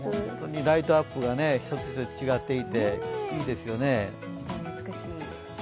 本当にライトアップが一つずつ違っていていいですよね。